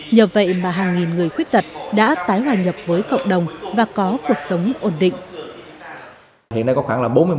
nhờ vậy mà hàng nghìn người khuyết tật đã tái hòa nhập với cộng đồng và có cuộc sống ổn định